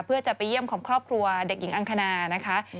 เพื่อจะไปเยี่ยมของครอบครัวเด็กหญิงอังคณานะคะ